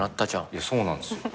そうなんですよ。